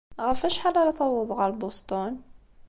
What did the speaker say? Ɣef wacḥal ara tawḍeḍ ɣer Bustun?